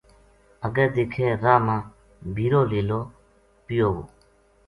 اَگے دیکھے راہ مابِیرو لیلو پیو وو